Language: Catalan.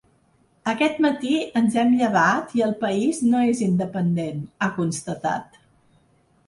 Aquest matí ens hem llevat i el país no és independent, ha constatat.